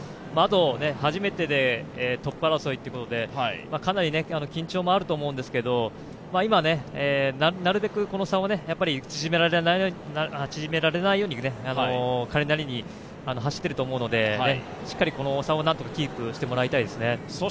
あと、初めてでトップ争いということで、かなり緊張もあると思うんですけれども、今、なるべくこの差を縮められないように彼なりに走っていると思うのでしっかりこの差をなんとかキープしてもらいたいですね。